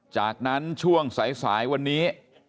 จากนั้นช่วงสายวันนี้